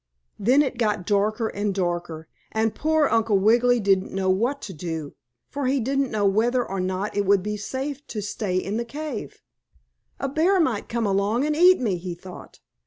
Then it got darker and darker, and poor Uncle Wiggily didn't know what to do, for he didn't know whether or not it would be safe to stay in the cave. "A bear might come along and eat me," he thought.